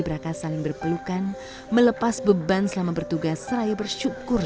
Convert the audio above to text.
para pascibraka saling berpelukan